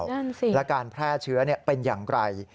นั่นสิและการแพร่เชื้อเป็นอย่างไร